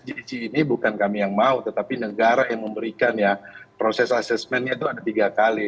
gcg ini bukan kami yang mau tetapi negara yang memberikan ya proses asesmennya itu ada tiga kali